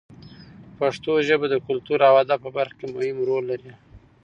پښتو ژبه د کلتور او ادب په برخه کې مهم رول لري.